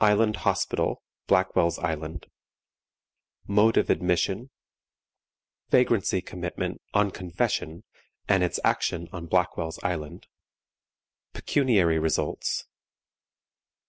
ISLAND HOSPITAL, BLACKWELL'S ISLAND. Mode of Admission. Vagrancy Commitment "on Confession," and its Action on Blackwell's Island. Pecuniary Results.